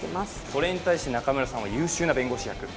それに対して中村さんは優秀な弁護士役。